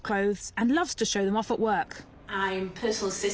そう。